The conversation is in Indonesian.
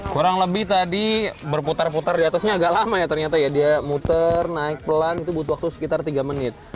kurang lebih tadi berputar putar di atasnya agak lama ya ternyata ya dia muter naik pelan itu butuh waktu sekitar tiga menit